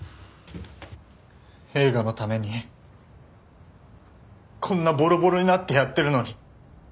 映画のためにこんなボロボロになってやってるのに。